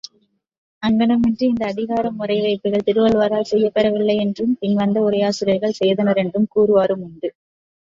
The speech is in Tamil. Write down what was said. அங்ஙணமின்றி இந்த அதிகார முறைவைப்புகள் திருவள்ளுவரால் செய்யப்பெறவில்லையென்றும் பின் வந்த உரையாசிரியர்கள் செய்தனரென்றும் கூறுவாரும் உண்டு.